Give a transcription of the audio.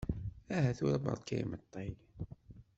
Aha tura barka imeṭṭi.